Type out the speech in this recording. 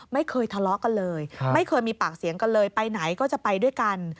ไม่เคยทะเลาะกันเลยไม่เคยมีปากเสียงกันเลยไปไหนก็จะไปด้วยกัน